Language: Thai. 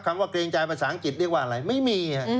คำว่าเกรงใจภาษาอังกฤษเรียกว่าอะไรไม่มี